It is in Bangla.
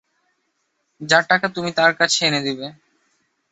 যাঁর টাকা তুমি তাঁর কাছে এনে দেবে।